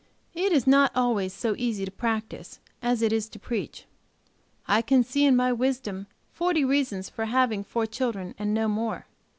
It is not always so easy to practice, as it is to preach. I can see in my wisdom forty reasons for having four children and no more.